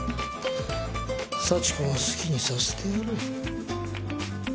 幸子の好きにさせてやれ。